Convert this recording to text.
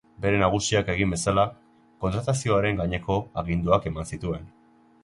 Bere nagusiak egin bezala, kontratazioaren gaineko aginduak ematen zituen.